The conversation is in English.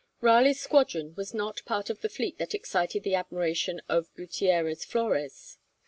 Raleigh's squadron was not part of the fleet that excited the admiration of Gutierrez Flores.